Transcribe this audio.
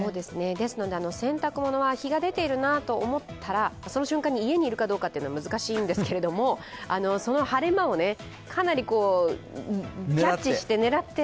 ですので、洗濯物は日が出ているなと思ったらその瞬間に家にいるかどうかというのは難しいんですけれども、その晴れ間をかなりキャッチして狙って